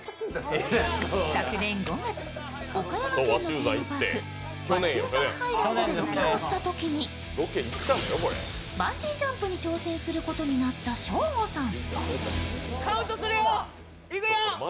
昨年５月、岡山県のテーマパーク鷲羽山ハイランドでロケをしたときにバンジージャンプに挑戦することになったショーゴさん。